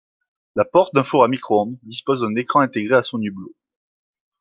La porte d'un four à micro-ondes dispose d'un écran intégré à son hublot.